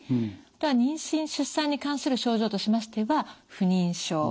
あとは妊娠出産に関する症状としましては不妊症。